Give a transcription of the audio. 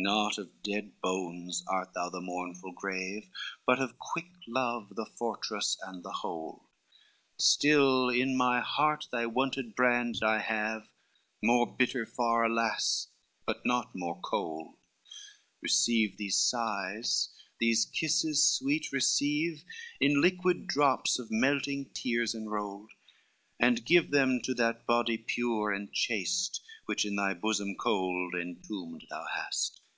XCVII "Not of dead bones art thou the mournful grave, But of quick love the fortress and the hold, Still in my heart thy wonted brands I have More bitter far, alas! but not more cold; Receive these sighs, these kisses sweet receive, In liquid drops of melting tears enrolled, And give them to that body pure and chaste, Which in thy bosom cold entombed thou hast.